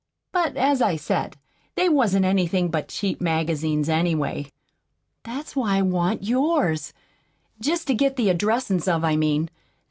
But, as I said, they wasn't anything but cheap magazines, anyway. That's why I want yours, jest to get the addressin's of, I mean.